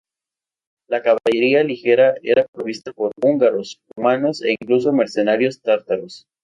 La caballería ligera era provista por húngaros, cumanos e incluso mercenarios tártaros.